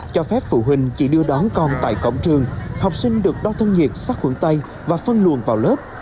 cho phép phụ huynh chỉ đưa đón con tại cổng trường học sinh được đo thân nhiệt sát khuẩn tay và phân luồn vào lớp